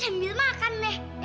sambil makan ya kak